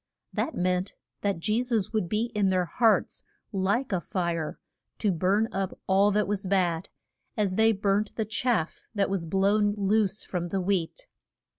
That meant that Je sus would be in their hearts like a fire, to burn up all that was bad, as they burnt the chaff that was blown loose from the wheat.